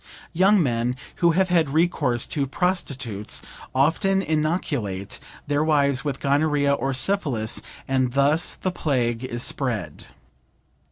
Young men who have had recourse to prostitutes, often inoculate their wives with gonorrhea or syphilis, and thus the plague is spread.